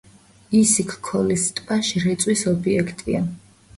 ისიქ-ქოლის ტბაში რეწვის ობიექტია.